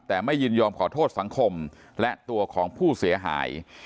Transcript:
แต่ไม่ยินยอมขอโทษสังคมและตัวของผู้เสียหาย